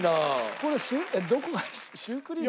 これどこがシュークリーム。